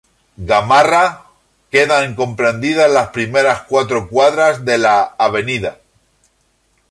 Gamarra; quedan comprendidas las primeras cuatro cuadras de la Av.